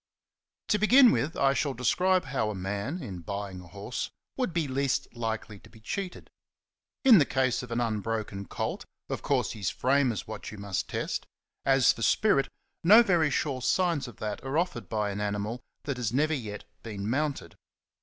To begin with, I shall describe how a man, in buying a horse, would be least likely to be cheated. In the case of an unbroken colt, of course his frame is what you must test; as for spirit, no very sure signs of that are offered by an animal that has never yet been mounted.